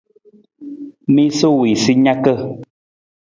Miisa wii sa naka.